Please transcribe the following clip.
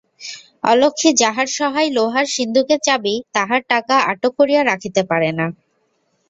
অলক্ষ্ণী যাহার সহায় লোহার সিন্ধুকের চাবি তাহার টাকা আটক করিয়া রাখিতে পারে না।